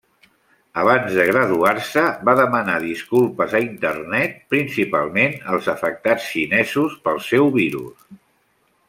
Abans de graduar-se va demanar disculpes a internet, principalment als afectats xinesos pel seu virus.